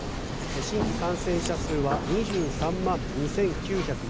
新規感染者数は２３万２９４６人。